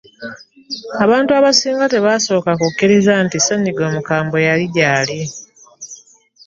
abantu abasinga tebasooka kukiriza nti ssenyiga omukambwe yali gyali.